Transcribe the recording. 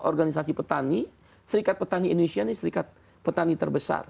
organisasi petani serikat petani indonesia ini serikat petani terbesar